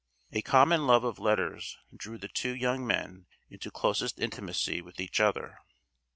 A common love of letters drew the two young men into closest intimacy with each other.